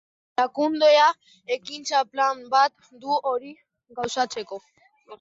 Erakundea ekintza-plan bat du hori gauzatzeko.